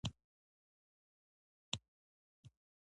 عصري تعلیم مهم دی ځکه چې برابري ملاتړ کوي.